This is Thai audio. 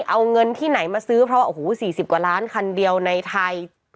เอาเงินที่ไหนมาซื้อเพราะโอ้โห๔๐กว่าล้านคันเดียวในไทย